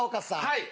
はい。